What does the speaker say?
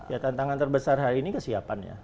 ya tantangan terbesar hari ini kesiapan ya